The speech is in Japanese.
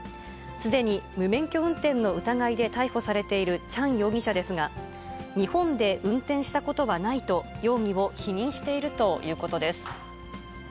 すでに無免許運転の疑いで逮捕されているチャン容疑者ですが、日本で運転したことはないと、容疑を否認しているということです。